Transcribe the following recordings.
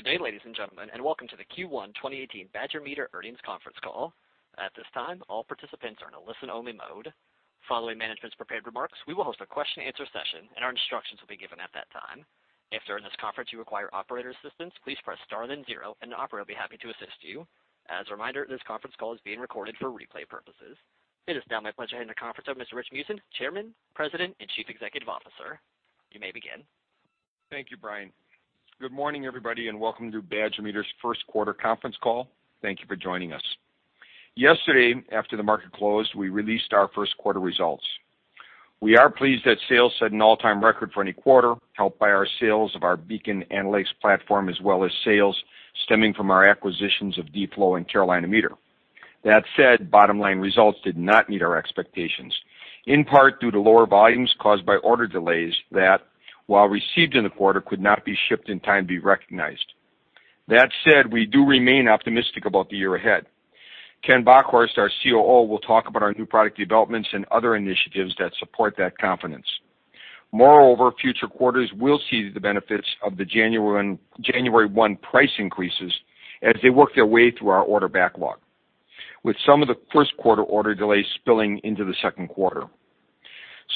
Good day, ladies and gentlemen, and welcome to the Q1 2018 Badger Meter Earnings Conference Call. At this time, all participants are in a listen-only mode. Following management's prepared remarks, we will host a question and answer session, and our instructions will be given at that time. If during this conference you require operator assistance, please press star then zero, and the operator will be happy to assist you. As a reminder, this conference call is being recorded for replay purposes. It is now my pleasure to hand the conference over to Mr. Rich Meeusen, Chairman, President, and Chief Executive Officer. You may begin. Thank you, Brian Rafn. Good morning, everybody, and welcome to Badger Meter's first quarter conference call. Thank you for joining us. Yesterday, after the market closed, we released our first quarter results. We are pleased that sales set an all-time record for any quarter, helped by our sales of our BEACON Analytics platform, as well as sales stemming from our acquisitions of D-Flow and Carolina Meter. That said, bottom-line results did not meet our expectations, in part due to lower volumes caused by order delays that, while received in the quarter, could not be shipped in time to be recognized. That said, we do remain optimistic about the year ahead. Kenneth Bockhorst, our COO, will talk about our new product developments and other initiatives that support that confidence.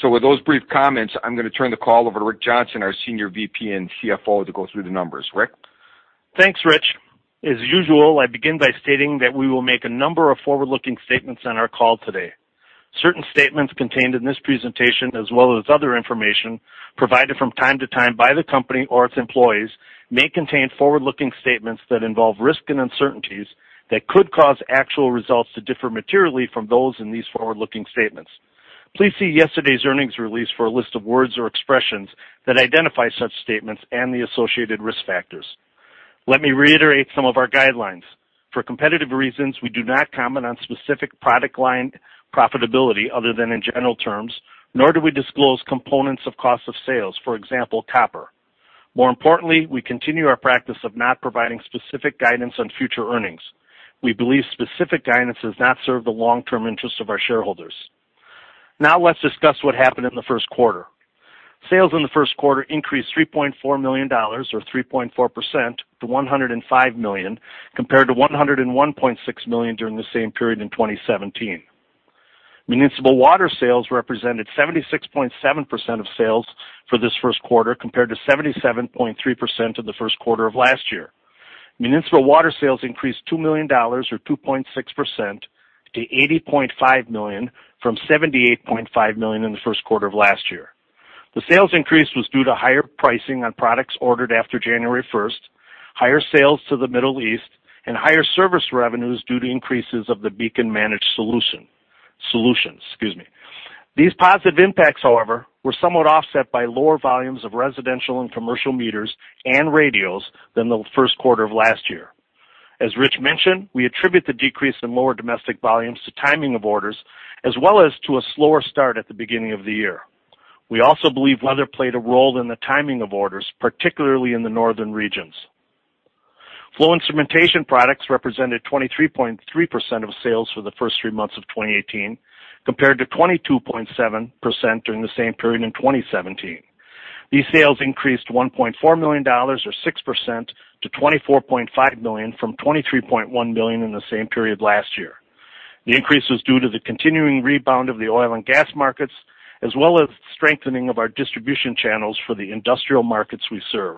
With those brief comments, I'm going to turn the call over to Richard Johnson, our Senior VP and CFO, to go through the numbers. Rick? Thanks, Rich Meeusen. As usual, I begin by stating that we will make a number of forward-looking statements on our call today. Certain statements contained in this presentation, as well as other information provided from time to time by the company or its employees, may contain forward-looking statements that involve risks and uncertainties that could cause actual results to differ materially from those in these forward-looking statements. Please see yesterday's earnings release for a list of words or expressions that identify such statements and the associated risk factors. Let me reiterate some of our guidelines. For competitive reasons, we do not comment on specific product line profitability, other than in general terms, nor do we disclose components of cost of sales, for example, copper. More importantly, we continue our practice of not providing specific guidance on future earnings. We believe specific guidance does not serve the long-term interests of our shareholders. Now let's discuss what happened in the first quarter. Sales in the first quarter increased $3.4 million, or 3.4%, to $105 million, compared to $101.6 million during the same period in 2017. Municipal water sales represented 76.7% of sales for this first quarter, compared to 77.3% of the first quarter of last year. Municipal water sales increased $2 million or 2.6% to $80.5 million from $78.5 million in the first quarter of last year. The sales increase was due to higher pricing on products ordered after January 1st, higher sales to the Middle East, and higher service revenues due to increases of the BEACON Managed Solutions. These positive impacts, however, were somewhat offset by lower volumes of residential and commercial meters and radials than the first quarter of last year. As Rich mentioned, we attribute the decrease in lower domestic volumes to timing of orders, as well as to a slower start at the beginning of the year. We also believe weather played a role in the timing of orders, particularly in the northern regions. Flow instrumentation products represented 23.3% of sales for the first three months of 2018, compared to 22.7% during the same period in 2017. These sales increased $1.4 million or 6% to $24.5 million from $23.1 million in the same period last year. The increase was due to the continuing rebound of the oil and gas markets, as well as strengthening of our distribution channels for the industrial markets we serve.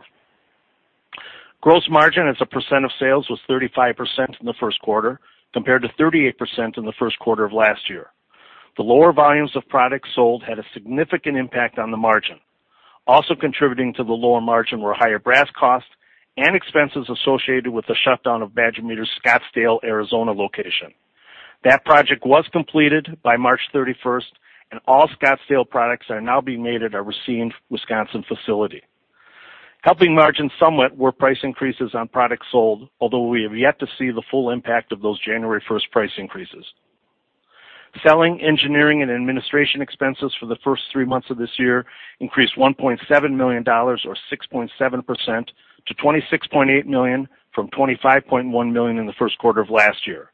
Gross margin as a percent of sales was 35% in the first quarter, compared to 38% in the first quarter of last year. The lower volumes of products sold had a significant impact on the margin. Also contributing to the lower margin were higher brass costs and expenses associated with the shutdown of Badger Meter's Scottsdale, Arizona location. That project was completed by March 31st, and all Scottsdale products are now being made at our Racine, Wisconsin facility. Helping margins somewhat were price increases on products sold, although we have yet to see the full impact of those January 1st price increases. Selling, engineering, and administration expenses for the first three months of this year increased $1.7 million or 6.7% to $26.8 million from $25.1 million in the first quarter of last year.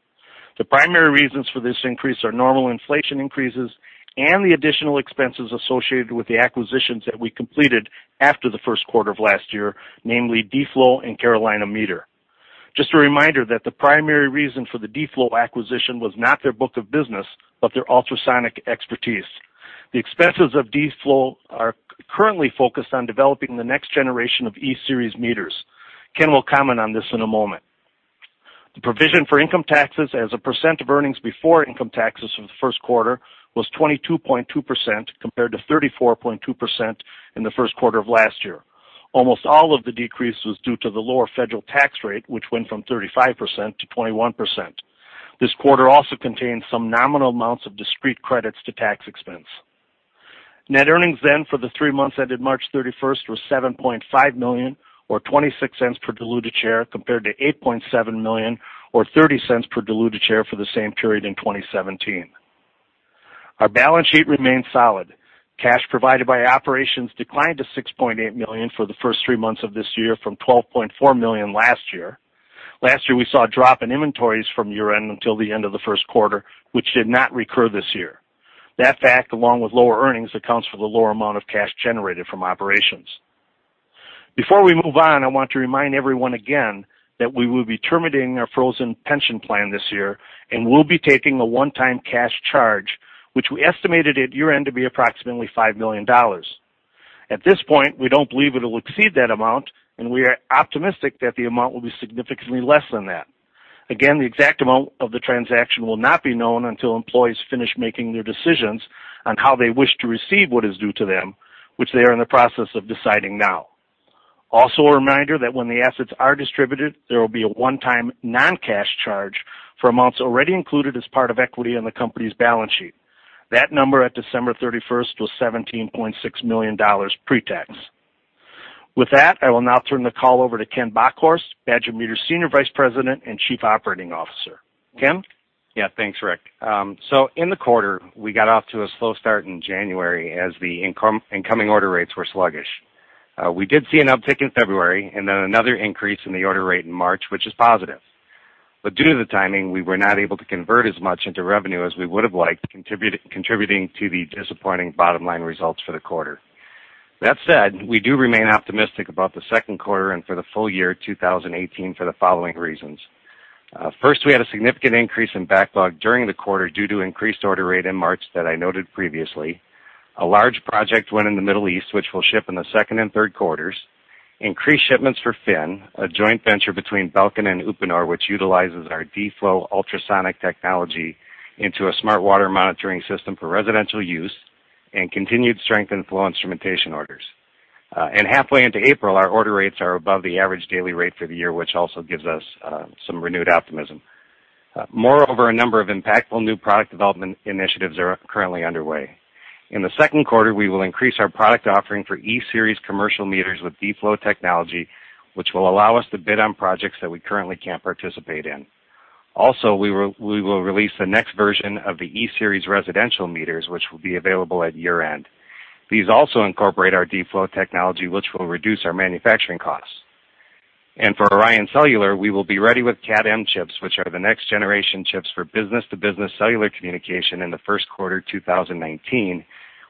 The primary reasons for this increase are normal inflation increases and the additional expenses associated with the acquisitions that we completed after the first quarter of last year, namely D-Flow and Carolina Meter. Just a reminder that the primary reason for the D-Flow acquisition was not their book of business, but their ultrasonic expertise. The expenses of D-Flow are currently focused on developing the next generation of E-Series meters. Ken will comment on this in a moment. The provision for income taxes as a percent of earnings before income taxes for the first quarter was 22.2%, compared to 34.2% in the first quarter of last year. Almost all of the decrease was due to the lower federal tax rate, which went from 35% to 21%. This quarter also contains some nominal amounts of discrete credits to tax expense. Net earnings for the three months ended March 31st was $7.5 million, or $0.26 per diluted share, compared to $8.7 million or $0.30 per diluted share for the same period in 2017. Our balance sheet remains solid. Cash provided by operations declined to $6.8 million for the first three months of this year from $12.4 million last year. Last year, we saw a drop in inventories from year-end until the end of the first quarter, which did not recur this year. That fact, along with lower earnings, accounts for the lower amount of cash generated from operations. Before we move on, I want to remind everyone again that we will be terminating our frozen pension plan this year, and we'll be taking a one-time cash charge, which we estimated at year-end to be approximately $5 million. At this point, we don't believe it'll exceed that amount, and we are optimistic that the amount will be significantly less than that. The exact amount of the transaction will not be known until employees finish making their decisions on how they wish to receive what is due to them, which they are in the process of deciding now. A reminder that when the assets are distributed, there will be a one-time non-cash charge for amounts already included as part of equity on the company's balance sheet. That number at December 31st was $17.6 million pre-tax. With that, I will now turn the call over to Ken Bockhorst, Badger Meter Senior Vice President and Chief Operating Officer. Ken? Thanks, Rick. In the quarter, we got off to a slow start in January as the incoming order rates were sluggish. We did see an uptick in February then another increase in the order rate in March, which is positive. Due to the timing, we were not able to convert as much into revenue as we would have liked, contributing to the disappointing bottom-line results for the quarter. That said, we do remain optimistic about the second quarter and for the full year 2018 for the following reasons. First, we had a significant increase in backlog during the quarter due to increased order rate in March that I noted previously. A large project won in the Middle East, which will ship in the second and third quarters. Increased shipments for Phyn, a joint venture between Belkin and Uponor, which utilizes our D-Flow ultrasonic technology into a smart water monitoring system for residential use, and continued strength in flow instrumentation orders. Halfway into April, our order rates are above the average daily rate for the year, which also gives us some renewed optimism. Moreover, a number of impactful new product development initiatives are currently underway. In the second quarter, we will increase our product offering for E-Series commercial meters with D-Flow technology, which will allow us to bid on projects that we currently can't participate in. We will release the next version of the E-Series residential meters, which will be available at year-end. These also incorporate our D-Flow technology, which will reduce our manufacturing costs. For ORION Cellular, we will be ready with Cat M chips, which are the next-generation chips for business-to-business cellular communication in the first quarter 2019,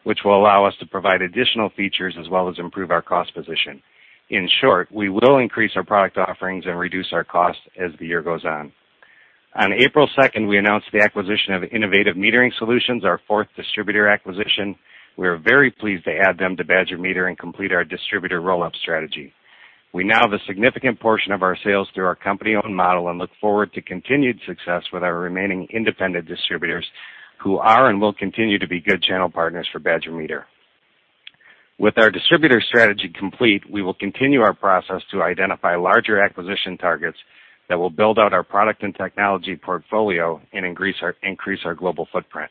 which will allow us to provide additional features as well as improve our cost position. In short, we will increase our product offerings and reduce our costs as the year goes on. On April 2nd, we announced the acquisition of Innovative Metering Solutions, our fourth distributor acquisition. We are very pleased to add them to Badger Meter and complete our distributor roll-up strategy. We now have a significant portion of our sales through our company-owned model and look forward to continued success with our remaining independent distributors who are and will continue to be good channel partners for Badger Meter. With our distributor strategy complete, we will continue our process to identify larger acquisition targets that will build out our product and technology portfolio and increase our global footprint.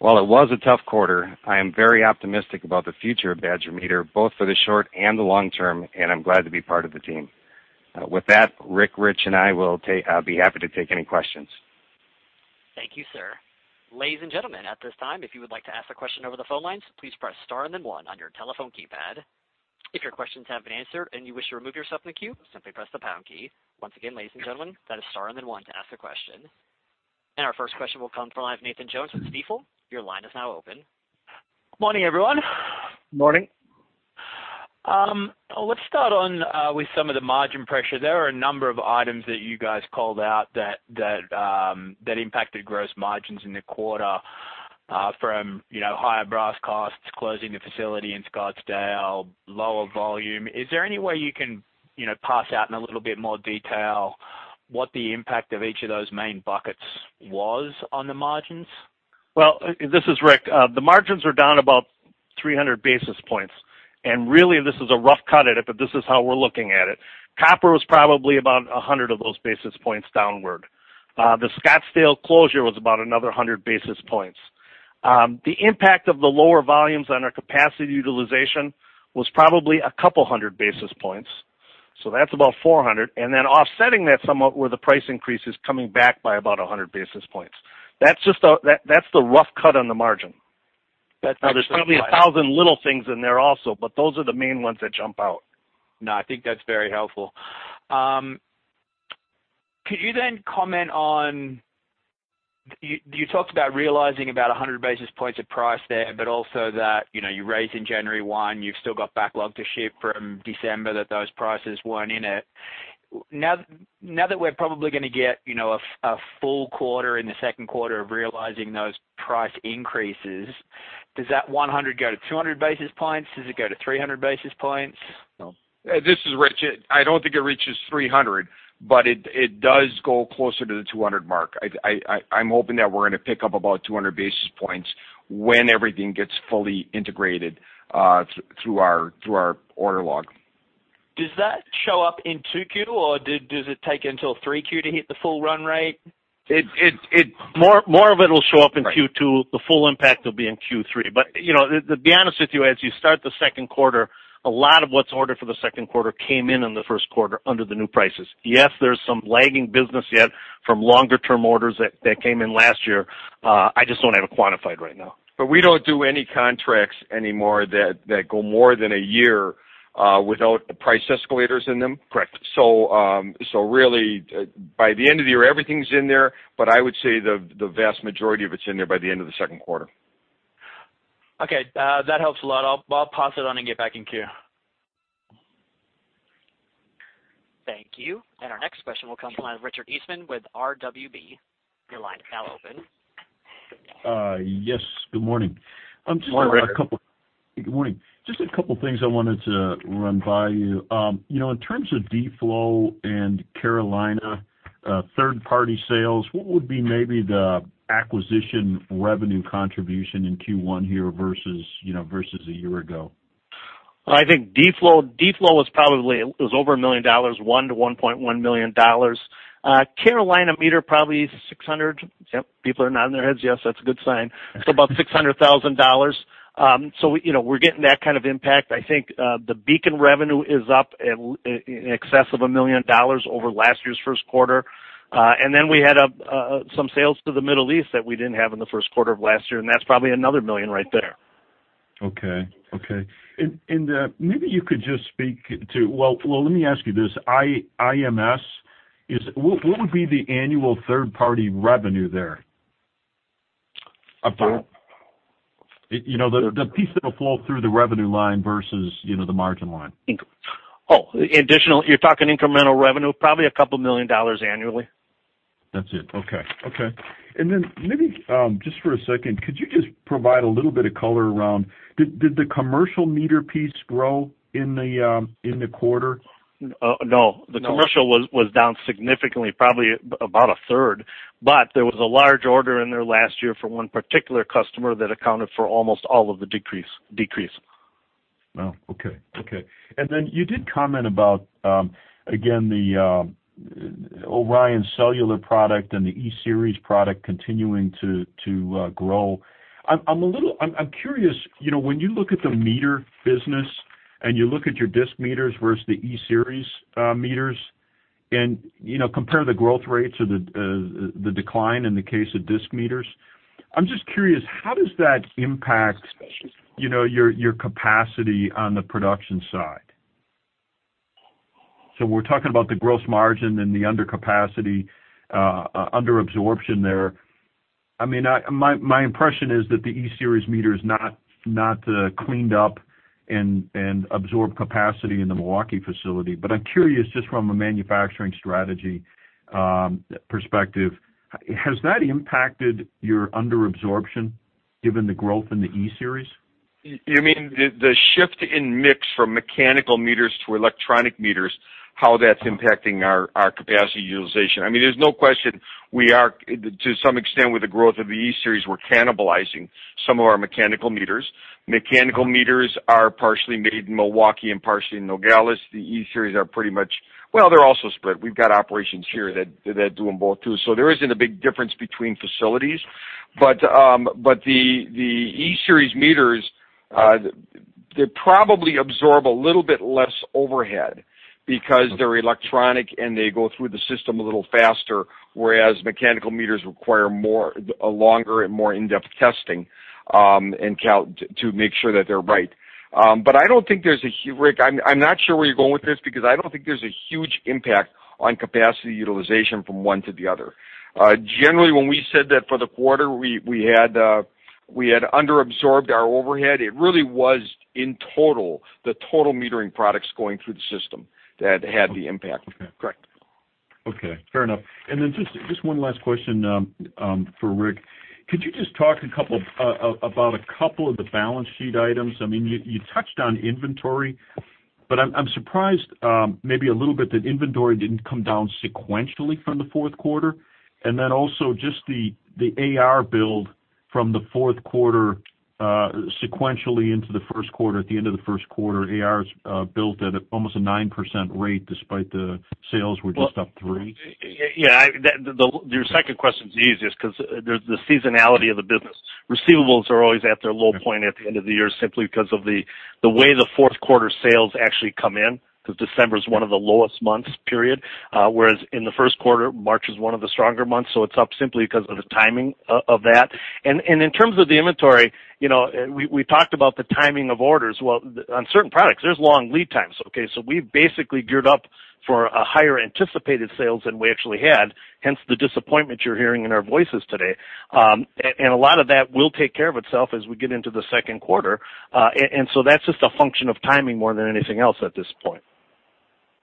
While it was a tough quarter, I am very optimistic about the future of Badger Meter, both for the short and the long term, and I'm glad to be part of the team. With that, Rick, Rich, and I will be happy to take any questions. Thank you, sir. Ladies and gentlemen, at this time, if you would like to ask a question over the phone lines, please press star and then one on your telephone keypad. If your questions have been answered and you wish to remove yourself from the queue, simply press the pound key. Once again, ladies and gentlemen, that is star and then one to ask a question. Our first question will come from Nathan Jones with Stifel. Your line is now open. Morning, everyone. Morning. Let's start on with some of the margin pressure. There are a number of items that you guys called out that impacted gross margins in the quarter, from higher brass costs, closing the facility in Scottsdale, lower volume. Is there any way you can pass out in a little bit more detail what the impact of each of those main buckets was on the margins? Well, this is Rick. The margins are down about 300 basis points. Really, this is a rough cut at it, but this is how we're looking at it. Copper was probably about 100 of those basis points downward. The Scottsdale closure was about another 100 basis points. The impact of the lower volumes on our capacity utilization was probably a couple hundred basis points, so that's about 400. Then offsetting that somewhat were the price increases coming back by about 100 basis points. That's the rough cut on the margin. That's helpful. Now, there's probably 1,000 little things in there also, but those are the main ones that jump out. No, I think that's very helpful. Could you comment on? You talked about realizing about 100 basis points of price there, but also that you raised in January 1. You've still got backlog to ship from December that those prices weren't in it. Now that we're probably going to get a full quarter in the second quarter of realizing those price increases, does that 100 go to 200 basis points? Does it go to 300 basis points? This is Rich. I don't think it reaches 300, but it does go closer to the 200 mark. I'm hoping that we're going to pick up about 200 basis points when everything gets fully integrated through our order log. Does that show up in 2Q, or does it take until 3Q to hit the full run rate? More of it will show up in Q2. Right. The full impact will be in Q3. To be honest with you, as you start the second quarter, a lot of what's ordered for the second quarter came in in the first quarter under the new prices. Yes, there's some lagging business yet from longer-term orders that came in last year. I just don't have it quantified right now. We don't do any contracts anymore that go more than a year without the price escalators in them. Correct. Really, by the end of the year, everything's in there, but I would say the vast majority of it's in there by the end of the second quarter. Okay. That helps a lot. I'll pass it on and get back in queue. Thank you. Our next question will come from Richard Eastman with RWB. Your line is now open. Yes, good morning. Good morning, Rick. Good morning. Just a couple things I wanted to run by you. In terms of D-Flow and Carolina third-party sales, what would be maybe the acquisition revenue contribution in Q1 here versus a year ago? I think D-Flow is probably, it was over $1 million, $1 million-$1.1 million. Carolina Meter, probably $600,000. Yep, people are nodding their heads. Yes, that's a good sign. About $600,000. We're getting that kind of impact. I think the BEACON revenue is up in excess of $1 million over last year's first quarter. We had some sales to the Middle East that we didn't have in the first quarter of last year, and that's probably another $1 million right there. Okay. Maybe you could just speak to. Well, let me ask you this. IMS, what would be the annual third-party revenue there, about? The piece that'll flow through the revenue line versus the margin line. Additional, you're talking incremental revenue, probably $2 million annually. That's it. Okay. Maybe, just for a second, could you just provide a little bit of color around, did the commercial meter piece grow in the quarter? No. No. The commercial was down significantly, probably about a third. There was a large order in there last year for one particular customer that accounted for almost all of the decrease. Oh, okay. You did comment about, again, the ORION Cellular product and the E-Series product continuing to grow. I'm curious, when you look at the meter business and you look at your disc meters versus the E-Series meters and compare the growth rates or the decline in the case of disc meters, I'm just curious, how does that impact your capacity on the production side? We're talking about the gross margin and the under capacity, under absorption there. My impression is that the E-Series meter is not the cleaned up and absorbed capacity in the Milwaukee facility. I'm curious, just from a manufacturing strategy perspective, has that impacted your under absorption given the growth in the E-Series? You mean the shift in mix from mechanical meters to electronic meters, how that's impacting our capacity utilization? There's no question, we are to some extent with the growth of the E-Series, we're cannibalizing some of our mechanical meters. Mechanical meters are partially made in Milwaukee and partially in Nogales. The E-Series are pretty much, well, they're also spread. We've got operations here that do them both too. There isn't a big difference between facilities. The E-Series meters, they probably absorb a little bit less overhead because they're electronic, and they go through the system a little faster, whereas mechanical meters require a longer and more in-depth testing to make sure that they're right. I don't think there's a huge, Rick, I'm not sure where you're going with this because I don't think there's a huge impact on capacity utilization from one to the other. Generally, when we said that for the quarter, we had underabsorbed our overhead. It really was in total, the total metering products going through the system that had the impact. Okay. Correct. Okay. Fair enough. Just one last question for Rick. Could you just talk about a couple of the balance sheet items? You touched on inventory, but I'm surprised maybe a little bit that inventory didn't come down sequentially from the fourth quarter. Also just the AR build from the fourth quarter, sequentially into the first quarter. At the end of the first quarter, AR is built at almost a 9% rate despite the sales were just up three. Yeah. Your second question's the easiest because there's the seasonality of the business. Receivables are always at their low point at the end of the year, simply because of the way the fourth quarter sales actually come in, because December's one of the lowest months, period. Whereas in the first quarter, March is one of the stronger months. It's up simply because of the timing of that. In terms of the inventory, we talked about the timing of orders. Well, on certain products, there's long lead times, okay? We've basically geared up for a higher anticipated sales than we actually had, hence the disappointment you're hearing in our voices today. A lot of that will take care of itself as we get into the second quarter. That's just a function of timing more than anything else at this point.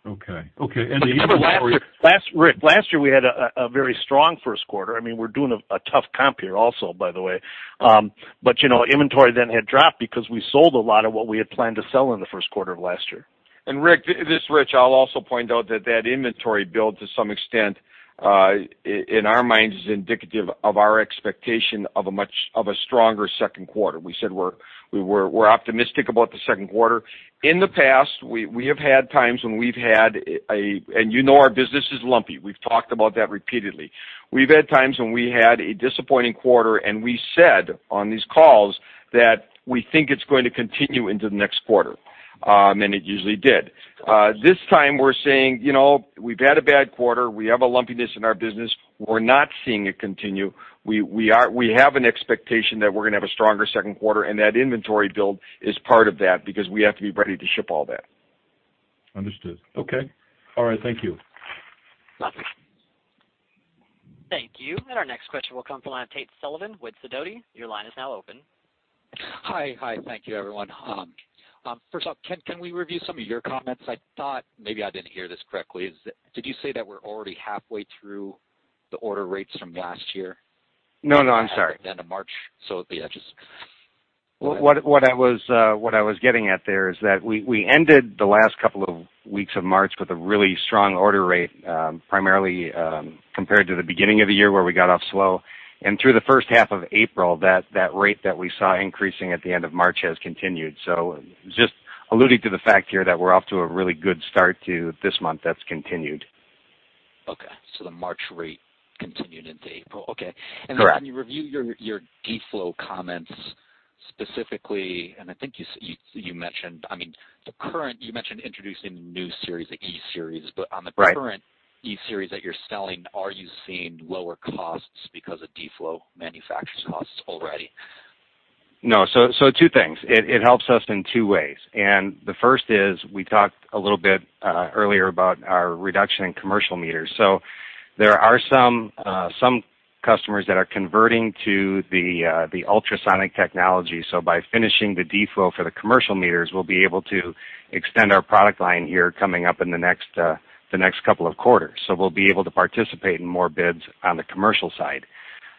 Okay. The inventory- Rick, last year we had a very strong first quarter. We're doing a tough comp here also, by the way. Inventory then had dropped because we sold a lot of what we had planned to sell in the first quarter of last year. Rick, this is Rich. I'll also point out that that inventory build to some extent, in our minds, is indicative of our expectation of a stronger second quarter. We said we're optimistic about the second quarter. You know our business is lumpy. We've talked about that repeatedly. We've had times when we had a disappointing quarter. We said on these calls that we think it's going to continue into the next quarter, and it usually did. This time we're saying, we've had a bad quarter. We have a lumpiness in our business. We're not seeing it continue. We have an expectation that we're going to have a stronger second quarter, and that inventory build is part of that because we have to be ready to ship all that. Understood. Okay. All right. Thank you. Nothing. Thank you. Our next question will come from the line of Tate Sullivan with Sidoti. Your line is now open. Hi. Thank you, everyone. First off, Ken, can we review some of your comments? I thought, maybe I didn't hear this correctly, did you say that we're already halfway through the order rates from last year? No, I'm sorry. At the end of March, so yeah. What I was getting at there is that we ended the last couple of weeks of March with a really strong order rate, primarily compared to the beginning of the year where we got off slow. Through the first half of April, that rate that we saw increasing at the end of March has continued. Just alluding to the fact here that we're off to a really good start to this month that's continued. Okay. The March rate continued into April. Okay. Correct. Can you review your D-Flow comments specifically, introducing the new series, the E-Series. Right current E-Series that you're selling, are you seeing lower costs because of D-Flow manufacturing costs already? No. Two things. It helps us in two ways, and the first is, we talked a little bit earlier about our reduction in commercial meters. There are some customers that are converting to the ultrasonic technology. By finishing the D-Flow for the commercial meters, we'll be able to extend our product line here coming up in the next couple of quarters. We'll be able to participate in more bids on the commercial side.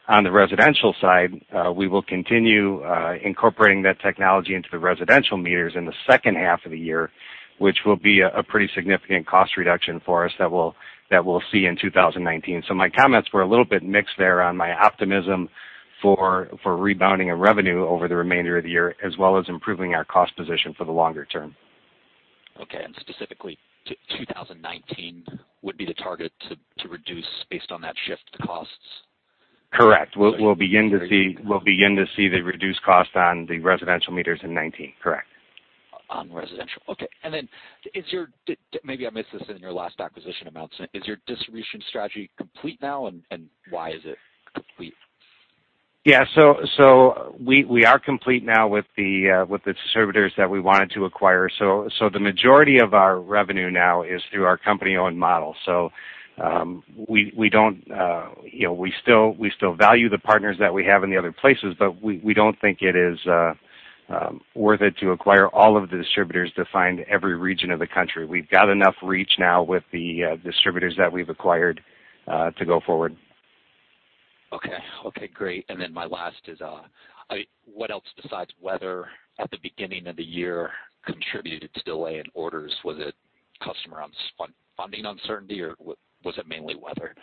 On the residential side, we will continue incorporating that technology into the residential meters in the second half of the year, which will be a pretty significant cost reduction for us that we'll see in 2019. My comments were a little bit mixed there on my optimism for rebounding of revenue over the remainder of the year, as well as improving our cost position for the longer term. Okay. Specifically, 2019 would be the target to reduce based on that shift, the costs? Correct. We'll begin to see the reduced cost on the residential meters in 2019. Correct. On residential. Okay. Maybe I missed this in your last acquisition announcement, is your distribution strategy complete now, and why is it complete? Yeah. We are complete now with the distributors that we wanted to acquire. The majority of our revenue now is through our company-owned model. We still value the partners that we have in the other places, but we don't think it is worth it to acquire all of the distributors to find every region of the country. We've got enough reach now with the distributors that we've acquired to go forward. Okay. Great. My last is, what else besides weather at the beginning of the year contributed to delay in orders? Was it customer funding uncertainty, or was it mainly weather?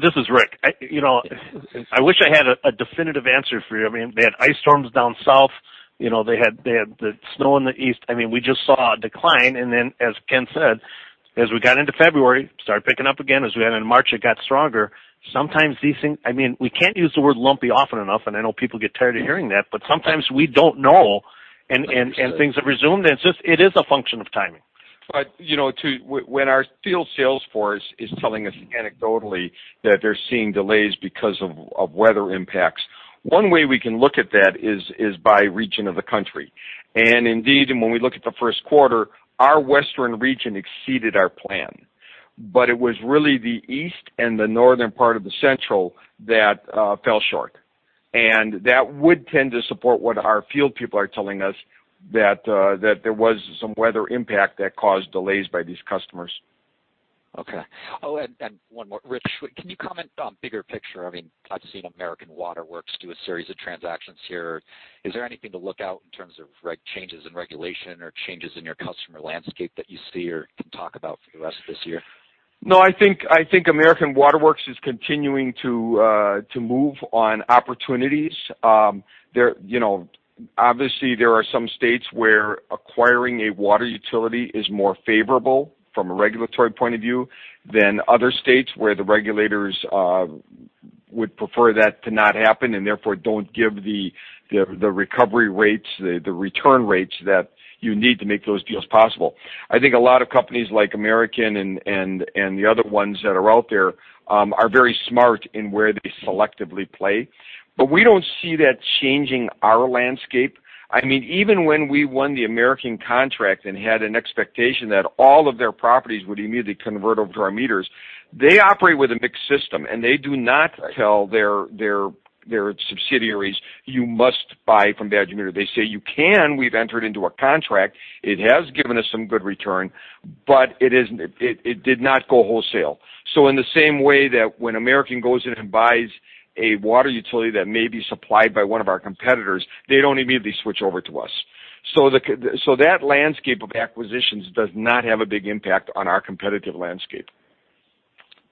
This is Rick. I wish I had a definitive answer for you. They had ice storms down south, they had the snow in the east. We just saw a decline. Then as Ken said, as we got into February, started picking up again. As we got into March, it got stronger. We can't use the word lumpy often enough, and I know people get tired of hearing that, but sometimes we don't know and things have resumed, and it is a function of timing. When our field sales force is telling us anecdotally that they're seeing delays because of weather impacts, one way we can look at that is by region of the country. Indeed, when we look at the first quarter, our western region exceeded our plan. It was really the east and the northern part of the central that fell short. That would tend to support what our field people are telling us, that there was some weather impact that caused delays by these customers. Okay. One more. Rick, can you comment on bigger picture? I've seen American Water Works do a series of transactions here. Is there anything to look out in terms of changes in regulation or changes in your customer landscape that you see or can talk about for the rest of this year? No, I think American Water Works is continuing to move on opportunities. Obviously, there are some states where acquiring a water utility is more favorable from a regulatory point of view than other states where the regulators would prefer that to not happen and therefore don't give the recovery rates, the return rates that you need to make those deals possible. I think a lot of companies like American and the other ones that are out there are very smart in where they selectively play. We don't see that changing our landscape. Even when we won the American contract and had an expectation that all of their properties would immediately convert over to our meters, they operate with a mixed system, and they do not tell their subsidiaries, "You must buy from Badger Meter." They say, "You can. We've entered into a contract. It has given us some good return, but it did not go wholesale. In the same way that when American goes in and buys a water utility that may be supplied by one of our competitors, they don't immediately switch over to us. That landscape of acquisitions does not have a big impact on our competitive landscape.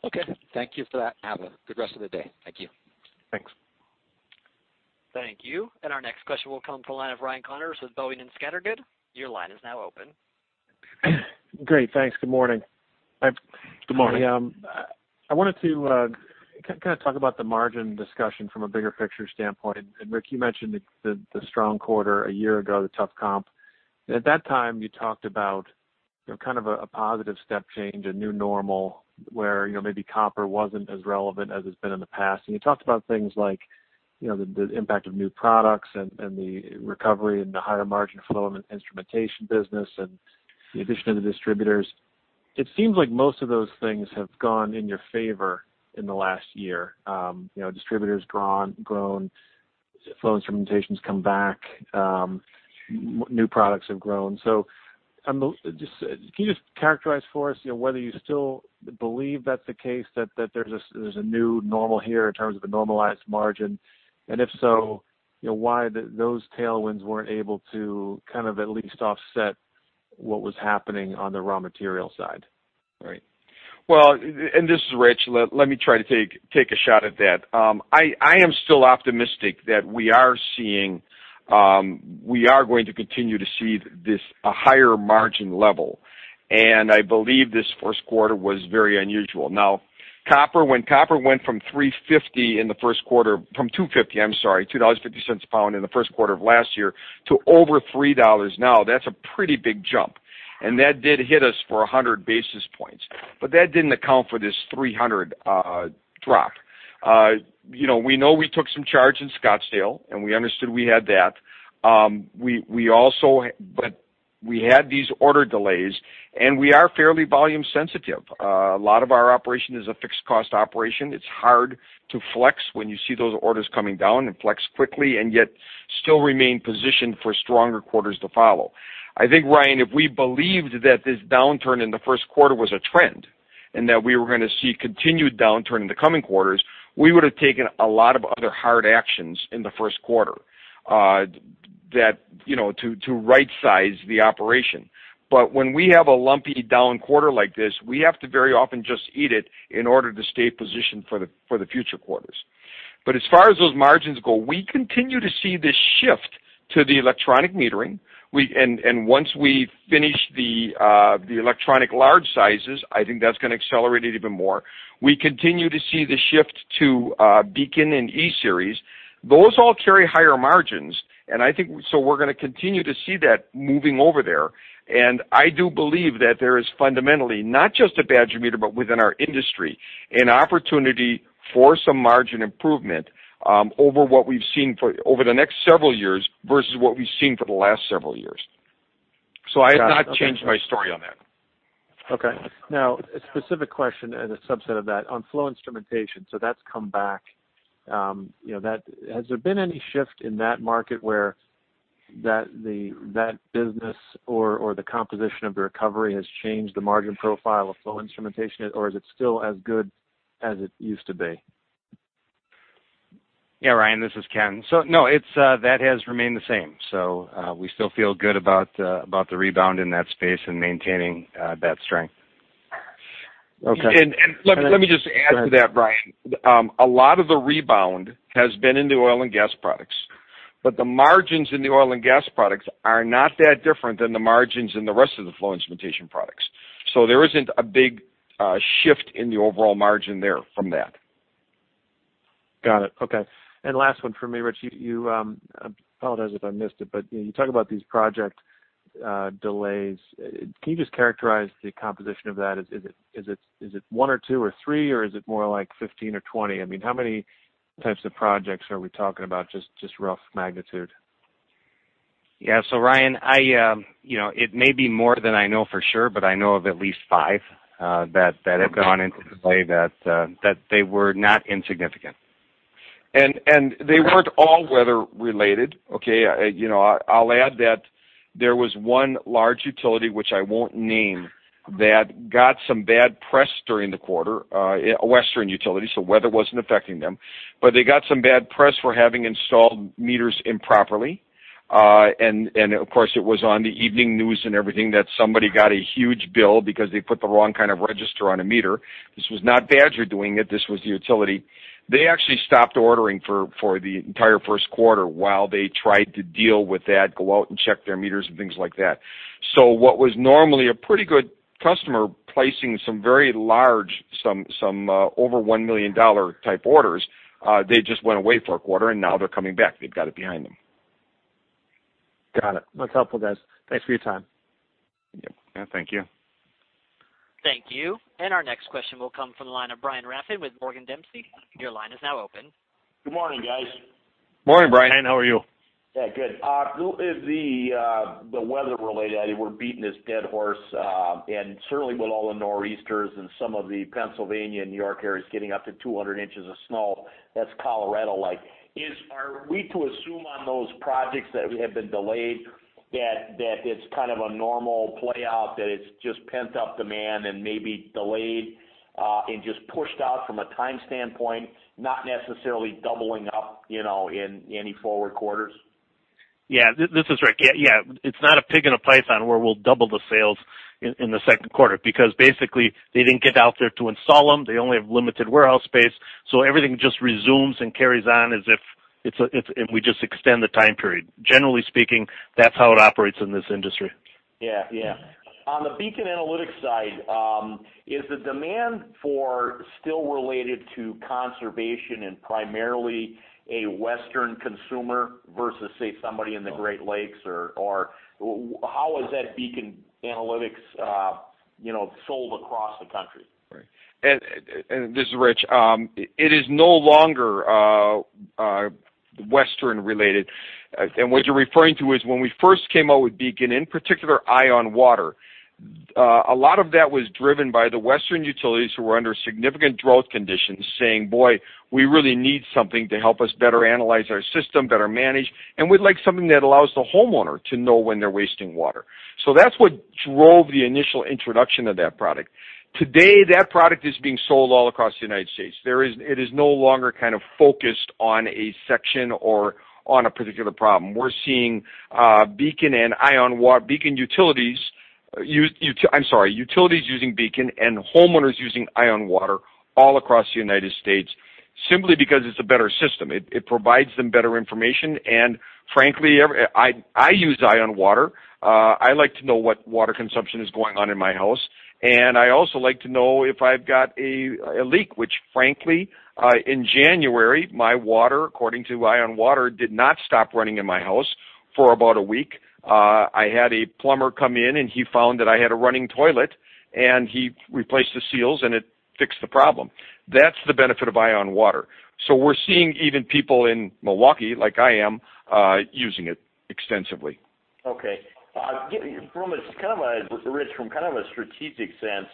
Okay. Thank you for that. Have a good rest of the day. Thank you. Thanks. Thank you. Our next question will come to the line of Ryan Connors with Boenning & Scattergood. Your line is now open. Great. Thanks. Good morning. Good morning. I wanted to talk about the margin discussion from a bigger picture standpoint. Rick, you mentioned the strong quarter a year ago, the tough comp. At that time, you talked about a positive step change, a new normal where maybe copper wasn't as relevant as it's been in the past. You talked about things like the impact of new products and the recovery and the higher margin flow in the instrumentation business and the addition of the distributors. It seems like most of those things have gone in your favor in the last year. Distributors grown, flow instrumentation's come back, new products have grown. Can you just characterize for us whether you still believe that's the case, that there's a new normal here in terms of a normalized margin? If so, why those tailwinds weren't able to at least offset what was happening on the raw material side? Right. Well, this is Rich, let me try to take a shot at that. I am still optimistic that we are going to continue to see this higher margin level. I believe this first quarter was very unusual. Now, when copper went from $3.50 in the first quarter, from $2.50, I'm sorry, $2.50 a pound in the first quarter of last year to over $3 now, that's a pretty big jump, and that did hit us for 100 basis points. That didn't account for this 300 drop. We know we took some charge in Scottsdale, and we understood we had that. We had these order delays, and we are fairly volume sensitive. A lot of our operation is a fixed cost operation. It's hard to flex when you see those orders coming down and flex quickly, and yet still remain positioned for stronger quarters to follow. Ryan, if we believed that this downturn in the first quarter was a trend, that we were going to see continued downturn in the coming quarters, we would've taken a lot of other hard actions in the first quarter to right-size the operation. When we have a lumpy down quarter like this, we have to very often just eat it in order to stay positioned for the future quarters. As far as those margins go, we continue to see this shift to the electronic metering. Once we finish the electronic large sizes, I think that's going to accelerate it even more. We continue to see the shift to BEACON and E-Series. Those all carry higher margins, I think we're going to continue to see that moving over there. I do believe that there is fundamentally, not just at Badger Meter, but within our industry, an opportunity for some margin improvement over the next several years versus what we've seen for the last several years. I have not changed my story on that. Okay. Now, a specific question and a subset of that. On flow instrumentation, that's come back. Has there been any shift in that market where that business or the composition of the recovery has changed the margin profile of flow instrumentation, or is it still as good as it used to be? Yeah, Ryan, this is Ken. No, that has remained the same. We still feel good about the rebound in that space and maintaining that strength. Okay. Let me just add to that, Ryan. A lot of the rebound has been in the oil and gas products, but the margins in the oil and gas products are not that different than the margins in the rest of the flow instrumentation products. There isn't a big shift in the overall margin there from that. Got it. Okay. Last one from me, Rich. Apologize if I missed it, but you talk about these project delays. Can you just characterize the composition of that? Is it one or two or three, or is it more like 15 or 20? How many types of projects are we talking about, just rough magnitude? Yeah. Ryan, it may be more than I know for sure, but I know of at least five that have gone into delay that they were not insignificant. They weren't all weather related, okay? I'll add that there was one large utility, which I won't name, that got some bad press during the quarter. A western utility, weather wasn't affecting them. They got some bad press for having installed meters improperly. Of course, it was on the evening news and everything that somebody got a huge bill because they put the wrong kind of register on a meter. This was not Badger doing it, this was the utility. They actually stopped ordering for the entire first quarter while they tried to deal with that, go out and check their meters and things like that. What was normally a pretty good customer placing some very large, some over $1 million type orders, they just went away for a quarter and now they're coming back. They've got it behind them. Got it. That's helpful, guys. Thanks for your time. Yep. Thank you. Thank you. Our next question will come from the line of Brian Rafn with Morgan Dempsey. Your line is now open. Good morning, guys. Morning, Brian. How are you? Yeah, good. The weather related item, we're beating this dead horse. Certainly with all the Nor'easters and some of the Pennsylvania and New York areas getting up to 200 inches of snow, that's Colorado-like. Are we to assume on those projects that have been delayed that it's kind of a normal play-out, that it's just pent-up demand and maybe delayed, and just pushed out from a time standpoint, not necessarily doubling up in any forward quarters? Yeah. This is Rick. Yeah. It's not a pig in a python where we'll double the sales in the second quarter, because basically they didn't get out there to install them. They only have limited warehouse space, everything just resumes and carries on as if we just extend the time period. Generally speaking, that's how it operates in this industry. Yeah. On the BEACON AMA side, is the demand for still related to conservation and primarily a Western consumer versus, say, somebody in the Great Lakes? How is that BEACON AMA sold across the country? Right. This is Rich. It is no longer Western related. What you're referring to is when we first came out with BEACON, in particular EyeOnWater, a lot of that was driven by the western utilities who were under significant drought conditions saying, "Boy, we really need something to help us better analyze our system, better manage, and we'd like something that allows the homeowner to know when they're wasting water." That's what drove the initial introduction of that product. Today, that product is being sold all across the U.S. It is no longer focused on a section or on a particular problem. We're seeing utilities using BEACON and homeowners using EyeOnWater all across the U.S. simply because it's a better system. It provides them better information, and frankly, I use EyeOnWater. I like to know what water consumption is going on in my house, and I also like to know if I've got a leak, which frankly, in January, my water, according to EyeOnWater, did not stop running in my house for about a week. I had a plumber come in, and he found that I had a running toilet, and he replaced the seals and it fixed the problem. That's the benefit of EyeOnWater. We're seeing even people in Milwaukee, like I am, using it extensively. Okay, Rich, from kind of a strategic sense,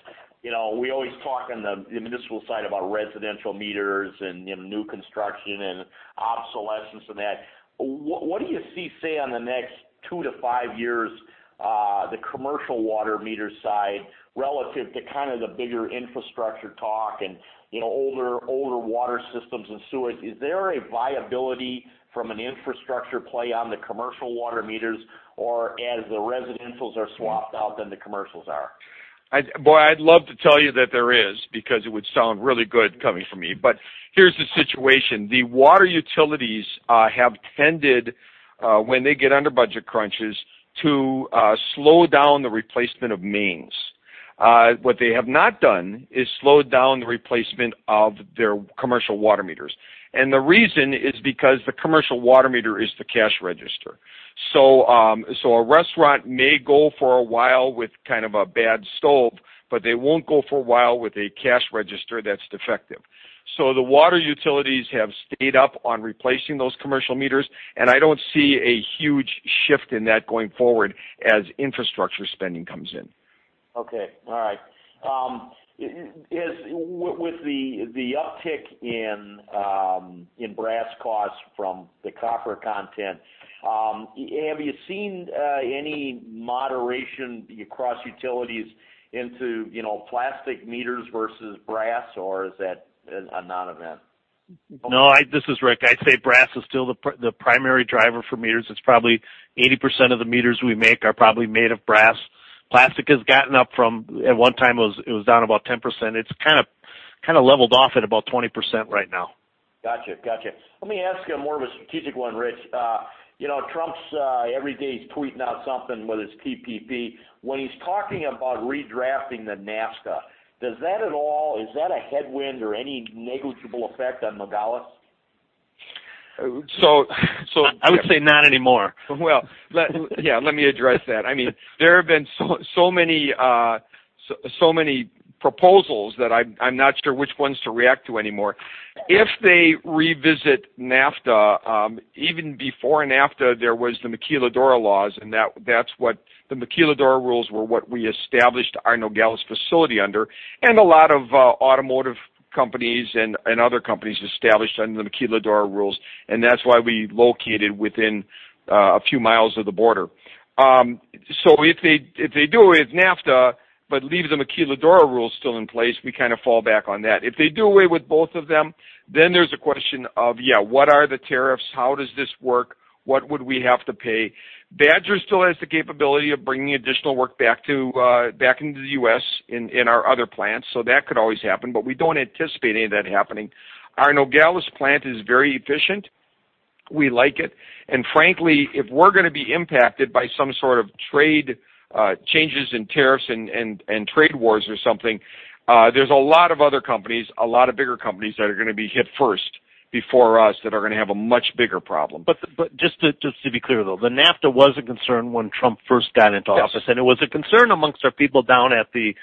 we always talk on the municipal side about residential meters and new construction and obsolescence and that. What do you see, say, on the next 2-5 years, the commercial water meter side relative to kind of the bigger infrastructure talk and older water systems and sewers? Is there a viability from an infrastructure play on the commercial water meters or as the residentials are swapped out than the commercials are? Boy, I'd love to tell you that there is because it would sound really good coming from me. Here's the situation. The water utilities have tended, when they get under budget crunches, to slow down the replacement of mains. What they have not done is slowed down the replacement of their commercial water meters. The reason is because the commercial water meter is the cash register. A restaurant may go for a while with kind of a bad stove, but they won't go for a while with a cash register that's defective. The water utilities have stayed up on replacing those commercial meters, and I don't see a huge shift in that going forward as infrastructure spending comes in. Okay. All right. With the uptick in brass costs from the copper content, have you seen any moderation across utilities into plastic meters versus brass, or is that a non-event? No. This is Rick. I'd say brass is still the primary driver for meters. It's probably 80% of the meters we make are probably made of brass. Plastic has gotten up from, at one time, it was down about 10%. It's kind of leveled off at about 20% right now. Got you. Let me ask you more of a strategic one, Rich. Trump's everyday he's tweeting out something with his TPP. When he's talking about redrafting the NAFTA, is that a headwind or any negligible effect on Nogales? So- I would say not anymore. Well, let me address that. There have been so many proposals that I'm not sure which ones to react to anymore. If they revisit NAFTA, even before NAFTA, there was the Maquiladora laws, and the Maquiladora rules were what we established our Nogales facility under. A lot of automotive companies and other companies established under the Maquiladora rules, and that's why we located within a few miles of the border. If they do away with NAFTA, but leave the Maquiladora rules still in place, we kind of fall back on that. If they do away with both of them, then there's a question of, what are the tariffs? How does this work? What would we have to pay? Badger still has the capability of bringing additional work back into the U.S. in our other plants. That could always happen, but we don't anticipate any of that happening. Our Nogales plant is very efficient. We like it. Frankly, if we're going to be impacted by some sort of trade changes in tariffs and trade wars or something, there's a lot of other companies, a lot of bigger companies that are going to be hit first before us that are going to have a much bigger problem. Just to be clear, though, the NAFTA was a concern when Trump first got into office. Yes. It was a concern amongst our people down at the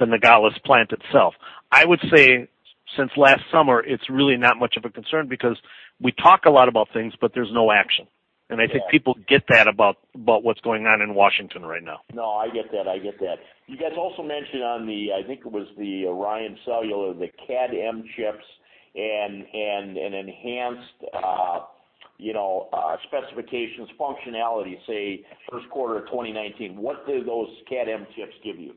Nogales plant itself. I would say since last summer, it's really not much of a concern because we talk a lot about things, but there's no action. Yeah. I think people get that about what's going on in Washington right now. No, I get that. You guys also mentioned on the, I think it was the ORION Cellular, the Cat M chips and an enhanced specifications, functionality, say first quarter of 2019. What do those Cat M chips give you?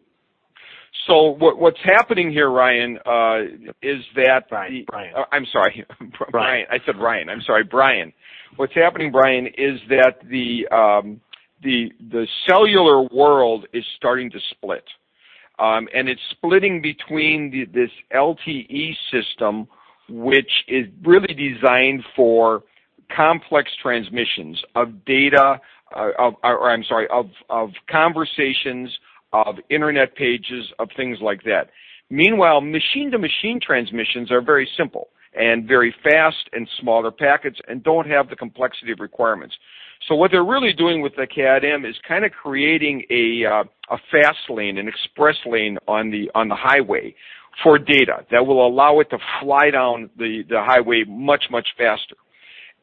What's happening here, Ryan. Brian. I'm sorry. Brian. I said Ryan. I'm sorry, Brian. What's happening, Brian, is that the cellular world is starting to split. It's splitting between this LTE system, which is really designed for complex transmissions of data, or I'm sorry, of conversations, of internet pages, of things like that. Meanwhile, machine-to-machine transmissions are very simple and very fast and smaller packets and don't have the complexity of requirements. What they're really doing with the Cat M is kind of creating a fast lane, an express lane on the highway for data that will allow it to fly down the highway much faster.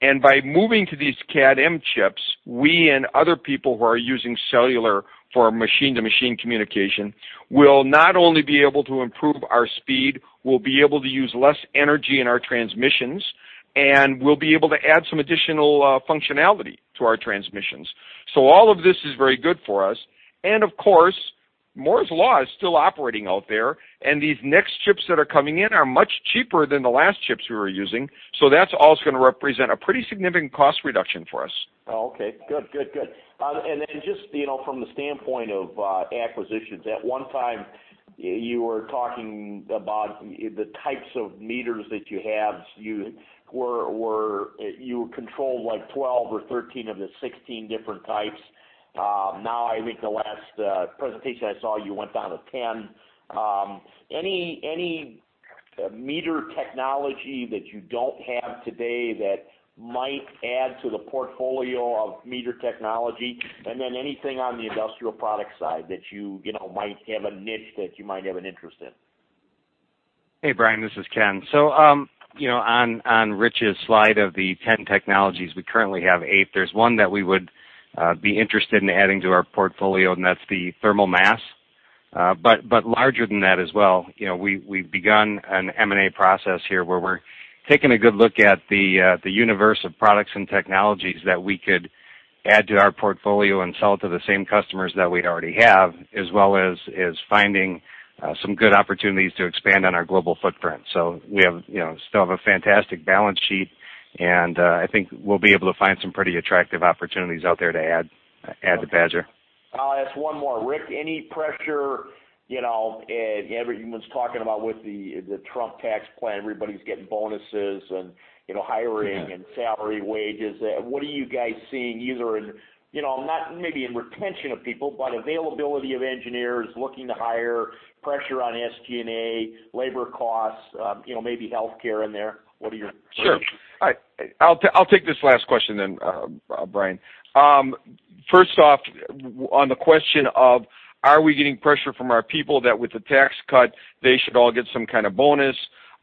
By moving to these Cat M chips, we and other people who are using cellular for machine-to-machine communication will not only be able to improve our speed, we'll be able to use less energy in our transmissions, and we'll be able to add some additional functionality to our transmissions. All of this is very good for us. Of course, Moore's Law is still operating out there, and these next chips that are coming in are much cheaper than the last chips we were using. That's also going to represent a pretty significant cost reduction for us. Okay. Good. Just from the standpoint of acquisitions, at one time, you were talking about the types of meters that you have. You controlled 12 or 13 of the 16 different types. Now, I think the last presentation I saw, you went down to 10. Any meter technology that you don't have today that might add to the portfolio of meter technology? Anything on the industrial product side that you might have a niche that you might have an interest in? Hey, Brian, this is Ken. On Rich's slide of the 10 technologies, we currently have eight. There's one that we would be interested in adding to our portfolio, and that's the thermal mass. Larger than that as well, we've begun an M&A process here where we're taking a good look at the universe of products and technologies that we could add to our portfolio and sell to the same customers that we already have, as well as finding some good opportunities to expand on our global footprint. We still have a fantastic balance sheet, and I think we'll be able to find some pretty attractive opportunities out there to add to Badger. I'll ask one more. Rick, any pressure, everyone's talking about with the Trump tax plan, everybody's getting bonuses and hiring and salary wages. What are you guys seeing either in, not maybe in retention of people, but availability of engineers looking to hire, pressure on SG&A, labor costs, maybe healthcare in there. What are your observations? Sure. I'll take this last question, Brian. First off, on the question of are we getting pressure from our people that with the tax cut, they should all get some kind of bonus?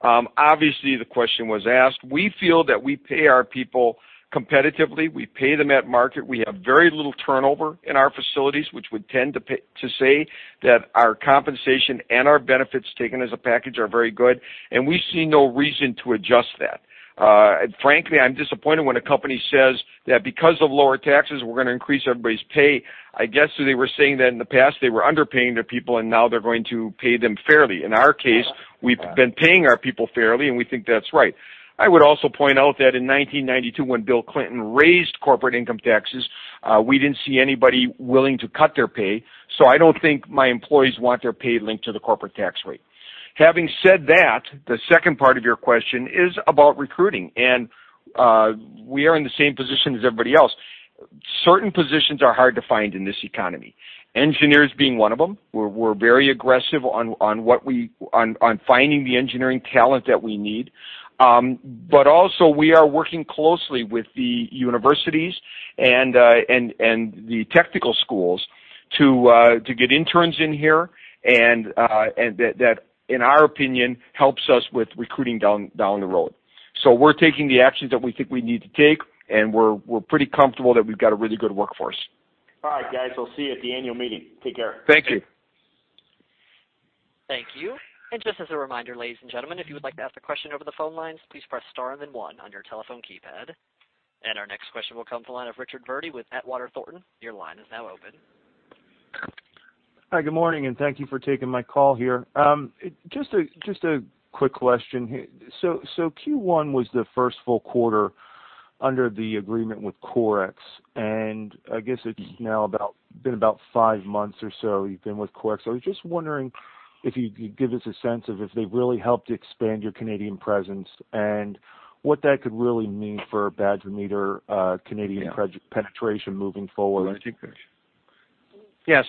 Obviously, the question was asked. We feel that we pay our people competitively, we pay them at market. We have very little turnover in our facilities, which would tend to say that our compensation and our benefits taken as a package are very good, and we see no reason to adjust that. Frankly, I'm disappointed when a company says that because of lower taxes, we're going to increase everybody's pay. I guess they were saying that in the past, they were underpaying their people and now they're going to pay them fairly. In our case, we've been paying our people fairly, and we think that's right. I would also point out that in 1992, when Bill Clinton raised corporate income taxes, we didn't see anybody willing to cut their pay. I don't think my employees want their pay linked to the corporate tax rate. Having said that, the second part of your question is about recruiting. We are in the same position as everybody else. Certain positions are hard to find in this economy, engineers being one of them. Also we are working closely with the universities and the technical schools to get interns in here and, that in our opinion, helps us with recruiting down the road. We're taking the actions that we think we need to take, and we're pretty comfortable that we've got a really good workforce. All right, guys. I'll see you at the annual meeting. Take care. Thank you. Thank you. Just as a reminder, ladies and gentlemen, if you would like to ask a question over the phone lines, please press star and then one on your telephone keypad. Our next question will come to the line of Richard Verdi with Atwater Thornton. Your line is now open. Hi, good morning, and thank you for taking my call here. Just a quick question here. Q1 was the first full quarter under the agreement with Corix, and I guess it's now been about five months or so you've been with Corix. I was just wondering if you could give us a sense of if they've really helped expand your Canadian presence and what that could really mean for Badger Meter Canadian penetration moving forward. You want to take this? Yeah.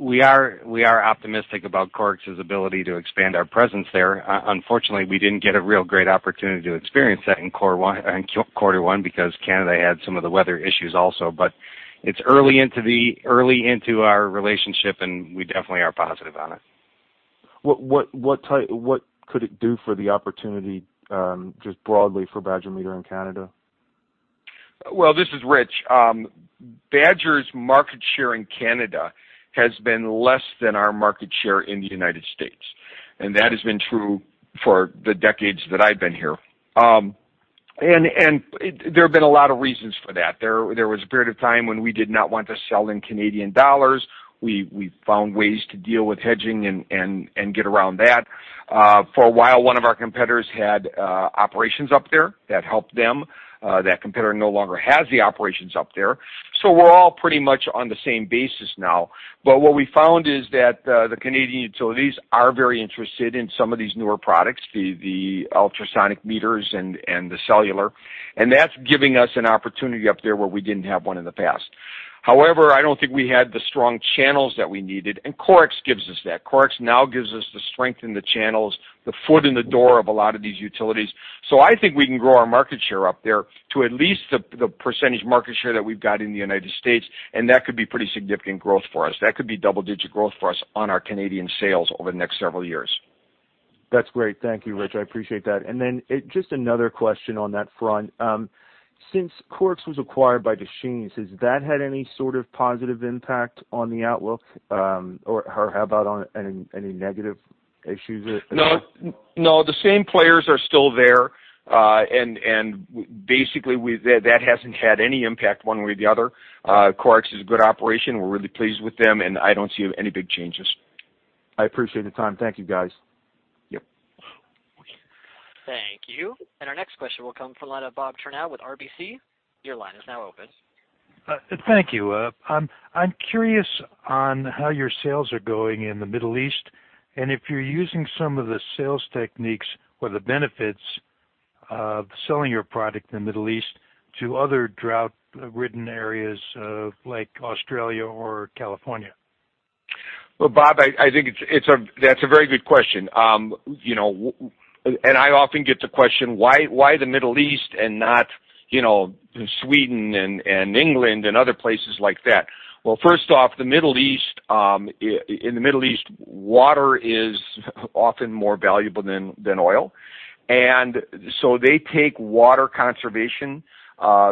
We are optimistic about Corix's ability to expand our presence there. Unfortunately, we didn't get a real great opportunity to experience that in quarter one because Canada had some of the weather issues also. It's early into our relationship, and we definitely are positive on it. What could it do for the opportunity, just broadly for Badger Meter in Canada? Well, this is Rich. Badger's market share in Canada has been less than our market share in the United States, that has been true for the decades that I've been here. There have been a lot of reasons for that. There was a period of time when we did not want to sell in Canadian dollars. We found ways to deal with hedging and get around that. For a while, one of our competitors had operations up there that helped them. That competitor no longer has the operations up there. We're all pretty much on the same basis now. What we found is that the Canadian utilities are very interested in some of these newer products, the ultrasonic meters and the cellular. That's giving us an opportunity up there where we didn't have one in the past. However, I don't think we had the strong channels that we needed, Corix gives us that. Corix now gives us the strength in the channels, the foot in the door of a lot of these utilities. I think we can grow our market share up there to at least the percentage market share that we've got in the United States, that could be pretty significant growth for us. That could be double-digit growth for us on our Canadian sales over the next several years. That's great. Thank you, Rich. I appreciate that. Then just another question on that front. Since Corix was acquired by Deschênes, has that had any sort of positive impact on the outlook? How about any negative issues there at all? No. The same players are still there. Basically, that hasn't had any impact one way or the other. Corix is a good operation. We're really pleased with them, and I don't see any big changes. I appreciate the time. Thank you, guys. Yep. Thank you. Our next question will come from the line of Bob Turnau with RBC. Your line is now open. Thank you. I'm curious on how your sales are going in the Middle East. If you're using some of the sales techniques or the benefits of selling your product in the Middle East to other drought-ridden areas like Australia or California. Well, Bob, I think that's a very good question. I often get the question, why the Middle East and not Sweden and England and other places like that? Well, first off, in the Middle East, water is often more valuable than oil. They take water conservation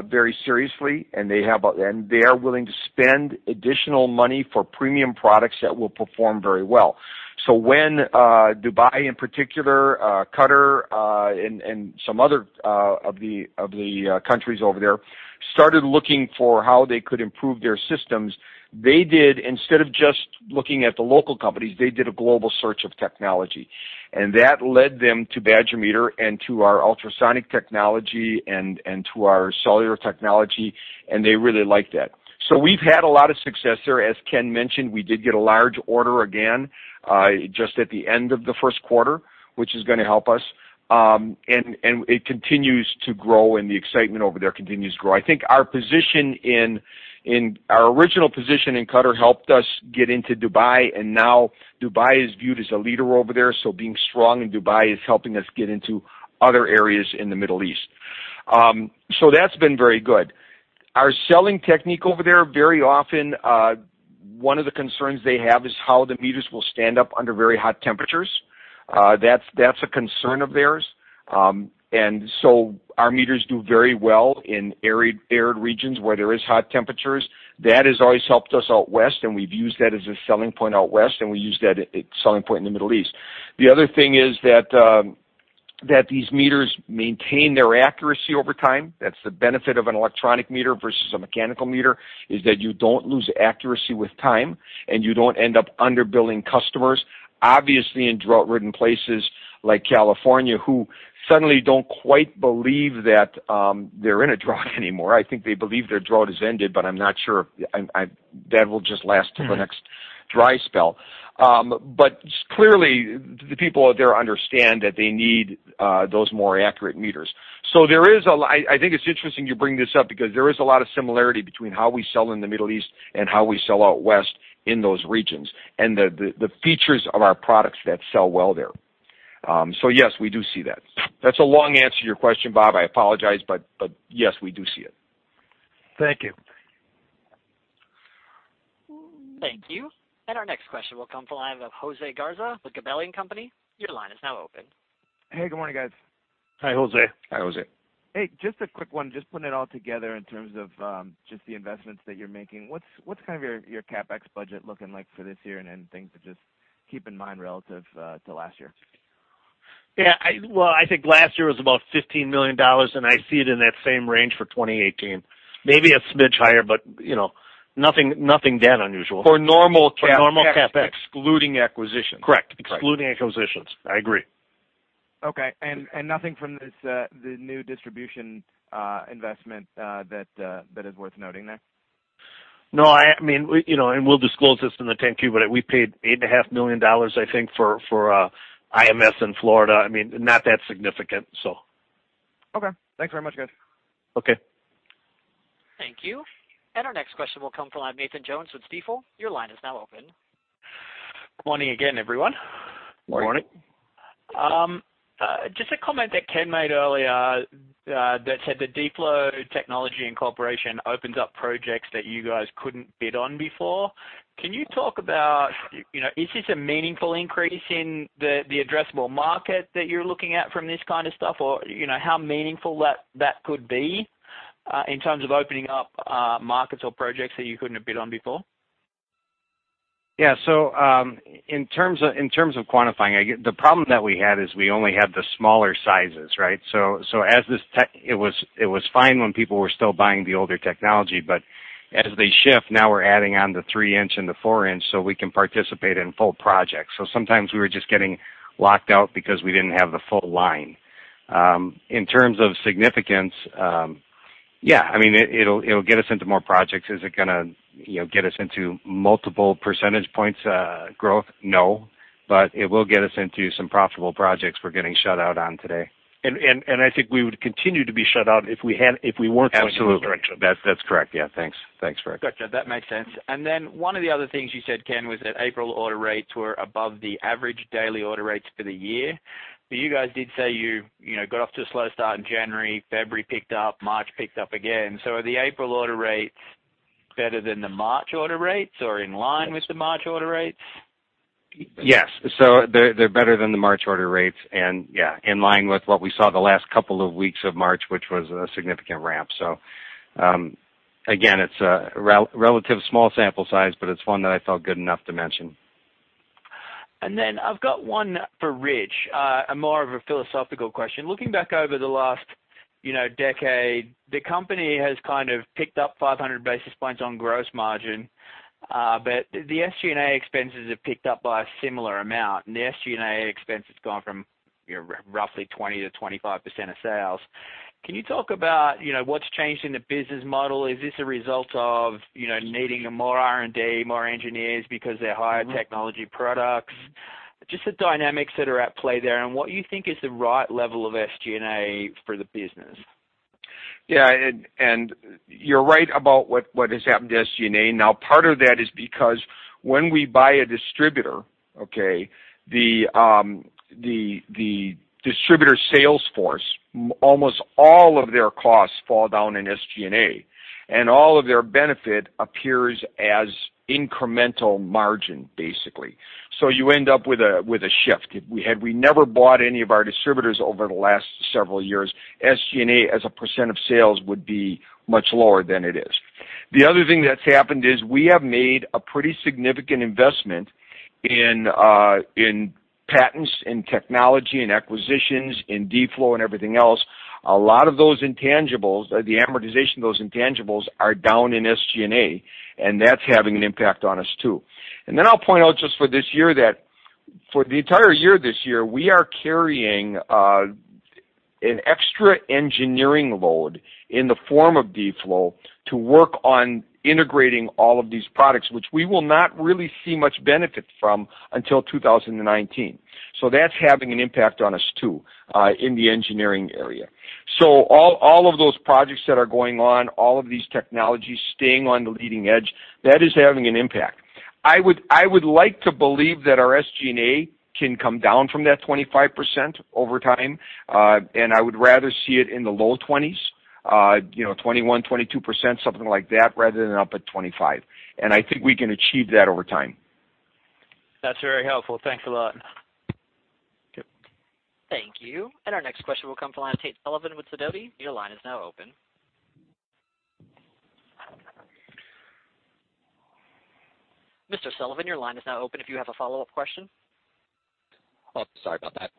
very seriously, and they are willing to spend additional money for premium products that will perform very well. When Dubai in particular, Qatar, and some other of the countries over there started looking for how they could improve their systems, they did, instead of just looking at the local companies, they did a global search of technology. That led them to Badger Meter and to our ultrasonic technology and to our cellular technology, and they really liked that. We've had a lot of success there. As Ken mentioned, we did get a large order again, just at the end of the first quarter, which is going to help us. It continues to grow, and the excitement over there continues to grow. I think our original position in Qatar helped us get into Dubai, and now Dubai is viewed as a leader over there, so being strong in Dubai is helping us get into other areas in the Middle East. That's been very good. Our selling technique over there, very often, one of the concerns they have is how the meters will stand up under very hot temperatures. That's a concern of theirs. Our meters do very well in arid regions where there is hot temperatures. That has always helped us out West. We've used that as a selling point out West. We use that as a selling point in the Middle East. The other thing is that these meters maintain their accuracy over time. That's the benefit of an electronic meter versus a mechanical meter, is that you don't lose accuracy with time, and you don't end up under-billing customers. Obviously, in drought-ridden places like California, who suddenly don't quite believe that they're in a drought anymore. I think they believe their drought has ended, but I'm not sure. That will just last till the next dry spell. Clearly, the people out there understand that they need those more accurate meters. I think it's interesting you bring this up because there is a lot of similarity between how we sell in the Middle East and how we sell out West in those regions, and the features of our products that sell well there. Yes, we do see that. That's a long answer to your question, Bob, I apologize, yes, we do see it. Thank you. Thank you. Our next question will come from the line of Jose Garza with Gabelli. Your line is now open. Hey, good morning, guys. Hi, Jose. Hi, Jose. Hey, just a quick one, just putting it all together in terms of just the investments that you're making. What's your CapEx budget looking like for this year, and anything to just keep in mind relative to last year? Yeah. Well, I think last year was about $15 million, and I see it in that same range for 2018. Maybe a smidge higher, but nothing that unusual. For normal CapEx. For normal CapEx. Excluding acquisitions. Correct. Excluding acquisitions. I agree. Okay. Nothing from the new distribution investment that is worth noting there? No. We'll disclose this in the 10-Q, but we paid $8.5 million, I think, for IMS in Florida. Not that significant. Okay. Thanks very much, guys. Okay. Thank you. Our next question will come from the line of Nathan Jones with Stifel. Your line is now open. Morning again, everyone. Morning. Morning. Just a comment that Ken made earlier that said the D-Flow technology in cooperation opens up projects that you guys couldn't bid on before. Can you talk about, is this a meaningful increase in the addressable market that you're looking at from this kind of stuff, or how meaningful that could be in terms of opening up markets or projects that you couldn't have bid on before? Yeah. In terms of quantifying, the problem that we had is we only had the smaller sizes, right? It was fine when people were still buying the older technology, as they shift, now we're adding on the 3-inch and the 4-inch, we can participate in full projects. Sometimes we were just getting locked out because we didn't have the full line. In terms of significance, yeah. It'll get us into more projects. Is it going to get us into multiple percentage points growth? No It will get us into some profitable projects we're getting shut out on today. I think we would continue to be shut out if we weren't going in this direction. Absolutely. That's correct. Yeah, thanks. Thanks, Rick. Got you. That makes sense. One of the other things you said, Ken, was that April order rates were above the average daily order rates for the year. You guys did say you got off to a slow start in January, February picked up, March picked up again. Are the April order rates better than the March order rates or in line with the March order rates? Yes. They're better than the March order rates and, yeah, in line with what we saw the last couple of weeks of March, which was a significant ramp. Again, it's a relative small sample size, but it's one that I felt good enough to mention. I've got one for Rich, a more of a philosophical question. Looking back over the last decade, the company has kind of picked up 500 basis points on gross margin. The SG&A expenses have picked up by a similar amount, and the SG&A expense has gone from roughly 20% to 25% of sales. Can you talk about what's changed in the business model? Is this a result of needing more R&D, more engineers because they're higher technology products? Just the dynamics that are at play there and what you think is the right level of SG&A for the business. You're right about what has happened to SG&A. Part of that is because when we buy a distributor, the distributor sales force, almost all of their costs fall down in SG&A, and all of their benefit appears as incremental margin, basically. You end up with a shift. Had we never bought any of our distributors over the last several years, SG&A as a percent of sales would be much lower than it is. The other thing that's happened is we have made a pretty significant investment in patents and technology and acquisitions, in D-Flow and everything else. A lot of those intangibles, the amortization of those intangibles are down in SG&A, and that's having an impact on us, too. I'll point out just for this year that for the entire year this year, we are carrying an extra engineering load in the form of D-Flow to work on integrating all of these products, which we will not really see much benefit from until 2019. That's having an impact on us, too, in the engineering area. All of those projects that are going on, all of these technologies staying on the leading edge, that is having an impact. I would like to believe that our SG&A can come down from that 25% over time. I would rather see it in the low 20s, 21%, 22%, something like that, rather than up at 25. I think we can achieve that over time. That's very helpful. Thanks a lot. Yep. Thank you. Our next question will come from the line of Tate Sullivan with Sidoti. Your line is now open. Mr. Sullivan, your line is now open if you have a follow-up question. Oh, sorry about that.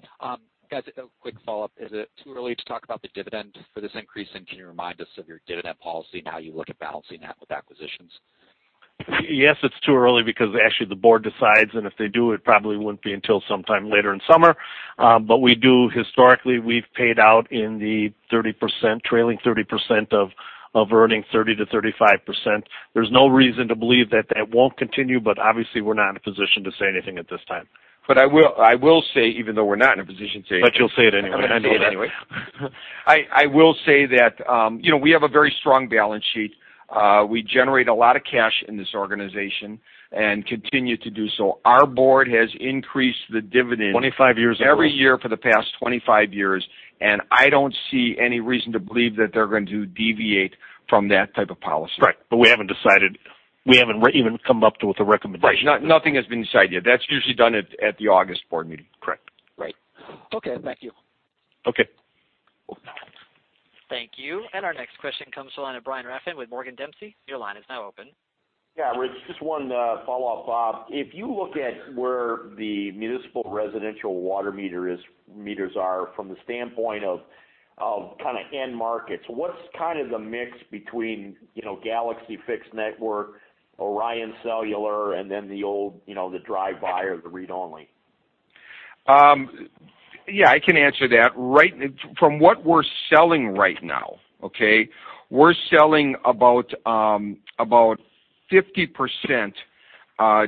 Guys, a quick follow-up. Is it too early to talk about the dividend for this increase? Can you remind us of your dividend policy and how you look at balancing that with acquisitions? Yes, it's too early because actually the board decides, and if they do, it probably wouldn't be until sometime later in summer. We do historically, we've paid out in the trailing 30% of earnings, 30%-35%. There's no reason to believe that that won't continue, but obviously we're not in a position to say anything at this time. I will say, even though we're not in a position to say anything. You'll say it anyway. I will say that we have a very strong balance sheet. We generate a lot of cash in this organization and continue to do so. Our board has increased the dividend- 25 years in a row every year for the past 25 years, and I don't see any reason to believe that they're going to deviate from that type of policy. Right. We haven't decided. We haven't even come up with a recommendation. Right. Nothing has been decided yet. That's usually done at the August board meeting. Correct. Right. Okay, thank you. Okay. Thank you. Our next question comes to the line of Brian Rafn with Morgan Dempsey. Your line is now open. Yeah, Rich, just one follow-up. If you look at where the municipal residential water meters are from the standpoint of kind of end markets, what's kind of the mix between GALAXY Fixed Network, ORION Cellular, and then the old drive-by or the read-only? I can answer that. From what we're selling right now, we're selling about 50%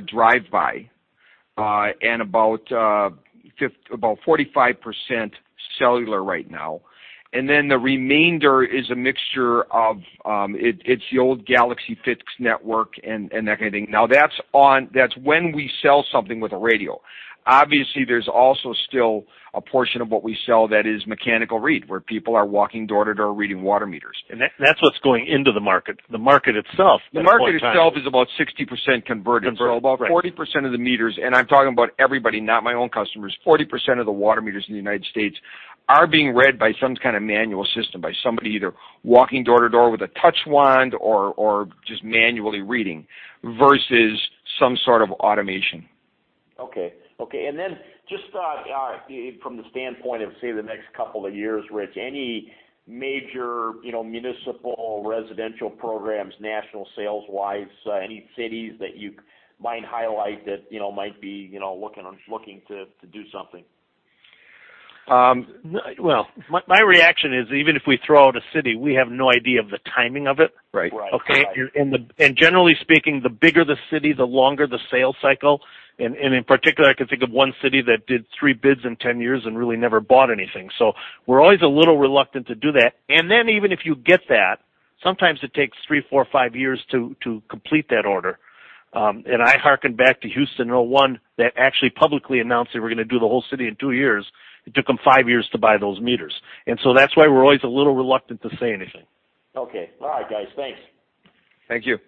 drive-by and about 45% cellular right now. The remainder is a mixture of the old GALAXY Fixed Network and that kind of thing. That's when we sell something with a radio. Obviously, there's also still a portion of what we sell that is mechanical read, where people are walking door to door reading water meters. That's what's going into the market. The market itself at one time- The market itself is about 60% converted. Converted, right. About 40% of the meters, and I'm talking about everybody, not my own customers. 40% of the water meters in the U.S. are being read by some kind of manual system, by somebody either walking door to door with a touch wand or just manually reading versus some sort of automation. Okay. Just from the standpoint of, say, the next couple of years, Rich, any major municipal residential programs, national sales-wise, any cities that you might highlight that might be looking to do something? My reaction is even if we throw out a city, we have no idea of the timing of it. Right. Right. Generally speaking, the bigger the city, the longer the sales cycle. In particular, I can think of one city that did three bids in 10 years and really never bought anything. We're always a little reluctant to do that. Even if you get that, sometimes it takes three, four, five years to complete that order. I harken back to Houston 01 that actually publicly announced they were going to do the whole city in two years. It took them five years to buy those meters. That's why we're always a little reluctant to say anything. Okay. All right, guys. Thanks. Thank you.